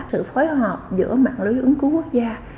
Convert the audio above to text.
sự phối hợp giữa mạng lưới ứng cứu quốc gia